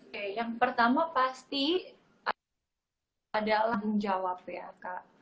oke yang pertama pasti adalah menjawab ya kak